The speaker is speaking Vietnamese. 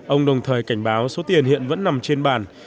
ông đồng thời cảnh báo số tiền hiện vẫn nằm trên bàn